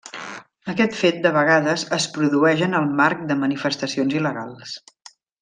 Aquest fet, de vegades, es produeix en el marc de manifestacions il·legals.